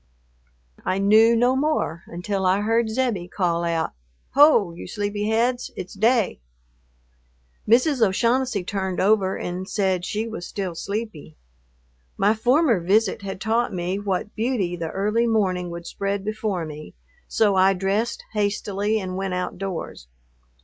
I knew no more until I heard Zebbie call out, "Ho, you sleepy heads, it's day." Mrs. O'Shaughnessy turned over and said she was still sleepy. My former visit had taught me what beauty the early morning would spread before me, so I dressed hastily and went outdoors.